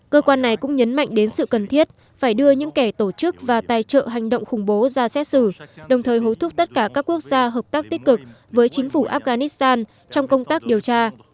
cơ quan này cũng nhấn mạnh đến sự cần thiết phải đưa những kẻ tổ chức và tài trợ hành động khủng bố ra xét xử đồng thời hối thúc tất cả các quốc gia hợp tác tích cực với chính phủ afghanistan trong công tác điều tra